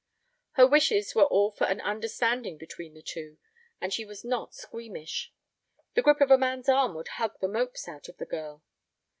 Her wishes were all for an understanding between the two, and she was not squeamish. The grip of a man's arm would hug the mopes out of the girl.